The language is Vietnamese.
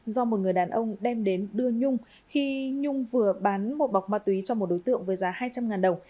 do một người đàn ông đem đến đưa nhung khi nhung vừa bán một bọc ma túy cho một đối tượng với giá hai trăm linh đồng